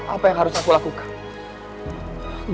apa yang harus aku lakukan